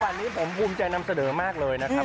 วันนี้ผมภูมิใจนำเสนอมากเลยนะครับ